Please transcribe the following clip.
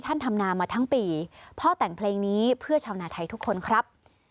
ทำนามาทั้งปีพ่อแต่งเพลงนี้เพื่อชาวนาไทยทุกคนครับ